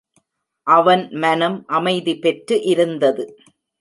அவன் மனம் அமைதி பெற்று இருந்தது.